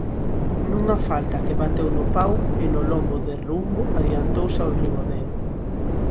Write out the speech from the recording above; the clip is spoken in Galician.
Nunha falta que bateu no pau e no lombo de rumbo adiantouse o Ribadeo.